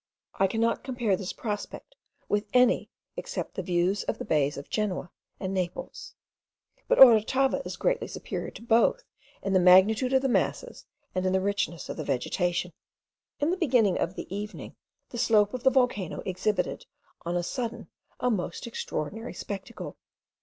I cannot compare this prospect with any, except the views of the bays of Genoa and Naples; but Orotava is greatly superior to both in the magnitude of the masses and in the richness of vegetation. In the beginning of the evening the slope of the volcano exhibited on a sudden a most extraordinary spectacle.